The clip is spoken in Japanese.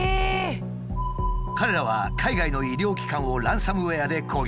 彼らは海外の医療機関をランサムウエアで攻撃。